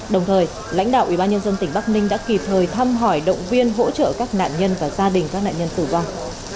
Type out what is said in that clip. đồng thời lãnh đạo ubnd tỉnh bắc ninh đã kịp thời thăm hỏi động viên hỗ trợ các nạn nhân và gia đình các nạn nhân tử vong